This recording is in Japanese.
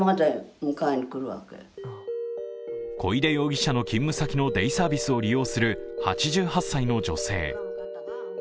小出容疑者の勤務先のデイサービスを利用する８８歳の女性。